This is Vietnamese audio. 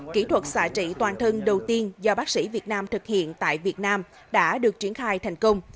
kỹ thuật xả trị toàn thân đầu tiên do bác sĩ việt nam thực hiện tại việt nam đã được triển khai thành công